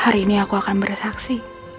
hari ini aku akan bersaksi